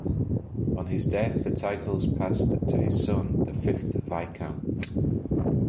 On his death the titles passed to his son, the fifth Viscount.